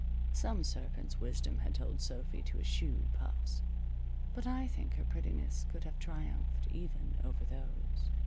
Some serpent's wisdom had told Sophy to eschew puffs. But I think her prettiness could have triumphed even over those.